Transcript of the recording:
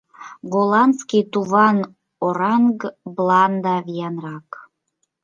Голландский туван оранг-бланда виянрак